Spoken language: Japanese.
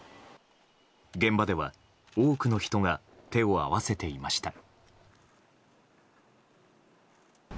現場では多くの人が手を合わせていました。